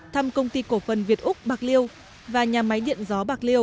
thăm công ty cổ phần việt úc bạc liêu và nhà máy điện gió bạc liêu